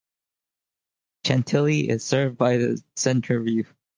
Chantilly is served by "The CentreView".